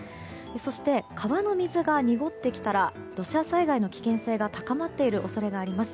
そして、川の水が濁ってきたら土砂災害の危険性が高まっている恐れがあります。